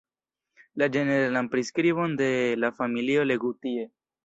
La ĝeneralan priskribon de la familio legu tie.